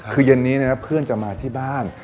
คือเย็นนี้นะครับเพื่อนจะมาที่บ้าน